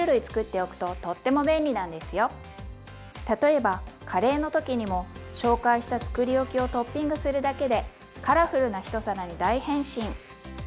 例えばカレーの時にも紹介したつくりおきをトッピングするだけでカラフルな１皿に大変身！